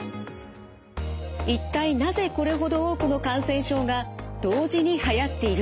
一体なぜこれほど多くの感染症が同時にはやっているのか？